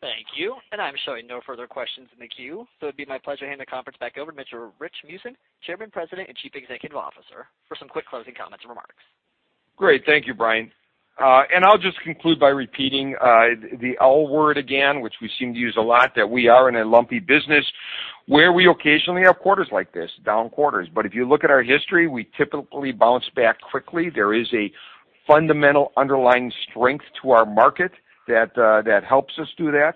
Thank you. I'm showing no further questions in the queue, it'd be my pleasure to hand the conference back over to Mr. Rich Meeusen, Chairman, President, and Chief Executive Officer, for some quick closing comments and remarks. Great. Thank you, Brian. I'll just conclude by repeating the L word again, which we seem to use a lot, that we are in a lumpy business where we occasionally have quarters like this, down quarters. If you look at our history, we typically bounce back quickly. There is a fundamental underlying strength to our market that helps us do that.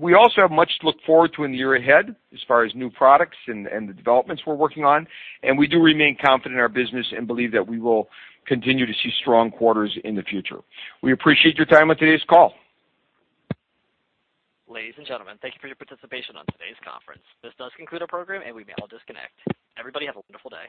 We also have much to look forward to in the year ahead as far as new products and the developments we're working on. We do remain confident in our business and believe that we will continue to see strong quarters in the future. We appreciate your time on today's call. Ladies and gentlemen, thank you for your participation on today's conference. This does conclude our program. We may all disconnect. Everybody, have a wonderful day.